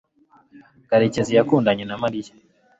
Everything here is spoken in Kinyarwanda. karekezi yakundanye na mariya